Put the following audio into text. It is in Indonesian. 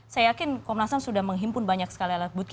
saya yakin komnas ham sudah menghimpun banyak sekali alat bukti